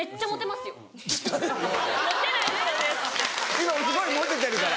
今すごいモテてるから。